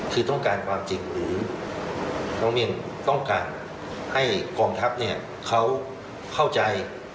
คือต้องการความจริงหรือน้องเมียงต้องการให้กองทัพเขาเข้าใจ